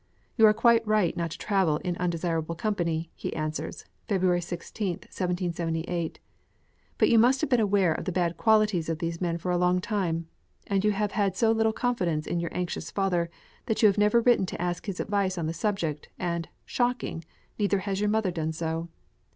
"You are quite right not to travel in undesirable company," he answers (February 16, 1778); "but you must have been aware of the bad qualities of these men for a long time, and you have had so little confidence in your anxious father, that you have never written to ask his advice on the subject, and (shocking!) neither has your mother done so."